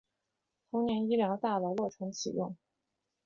同年医疗大楼落成启用。